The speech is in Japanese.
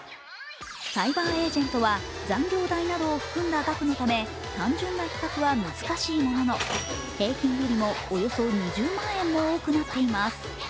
サイバーエージェントは残業代などを含んだ額のため単純な比較は難しいものの、平均よりもおよそ２０万円も多くなっています。